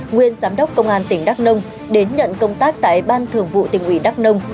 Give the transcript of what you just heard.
nguyên giám đốc công an tỉnh đắk nông đến nhận công tác tại ban thường vụ tỉnh ủy đắk nông